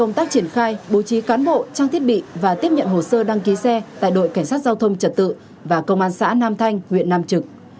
công tác triển khai bố trí cán bộ trang thiết bị và tiếp nhận hồ sơ đăng ký xe tại đội cảnh sát giao thông trật tự và công an xã nam thanh huyện nam trực